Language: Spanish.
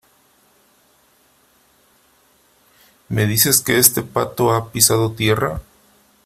¿ me dices que este pato ha pisado tierra ?